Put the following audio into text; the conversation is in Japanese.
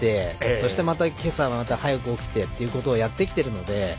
そしてまた今朝、早く起きてということをやってきているので。